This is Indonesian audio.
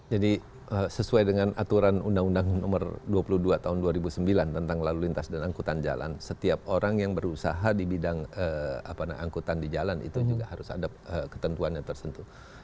sesuai dengan aturan undang undang nomor dua puluh dua tahun dua ribu sembilan tentang lalu lintas dan angkutan jalan setiap orang yang berusaha di bidang angkutan di jalan itu juga harus ada ketentuannya tersentuh